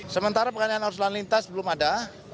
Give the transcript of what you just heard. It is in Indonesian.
sementara pengalihan arus lalu lintas belum ada